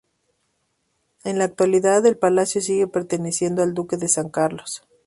En la actualidad, el palacio sigue perteneciendo al duque de San Carlos.